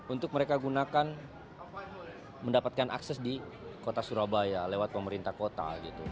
untuk mereka gunakan mendapatkan akses di kota surabaya lewat pemerintah kota